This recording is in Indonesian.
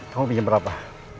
kamu pinjam berapa